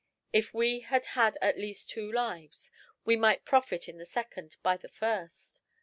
If we had had at least two lives, we might profit in the second by the first.